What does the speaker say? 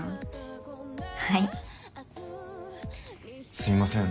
すみません。